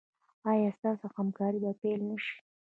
ایا ستاسو همکاري به پیل نه شي؟